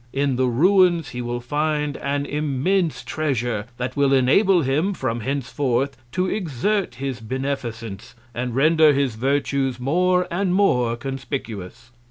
In the Ruins, he will find an immense Treasure, that will enable him, from henceforth, to exert his Beneficence, and render his Virtues more and more conspicuous.